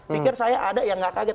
pikir saya ada yang gak kaget